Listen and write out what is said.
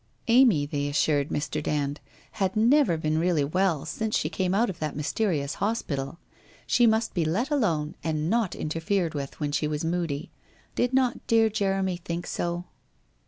Amy, they assured Mr. Dand, had never been really well since she came out of that mysterious hospital ! She must be let alone and not interfered with, when she was moody — did not dear Jeremy think so?